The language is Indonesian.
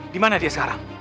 dimana dia sekarang